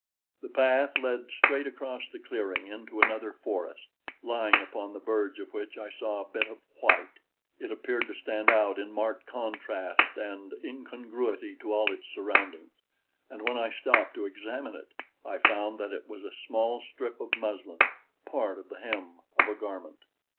The path led straight across the clearing into another forest, lying upon the verge of which I saw a bit of white. It appeared to stand out in marked contrast and incongruity to all its surroundings, and when I stopped to examine it, I found that it was a small strip of muslin part of the hem of a garment.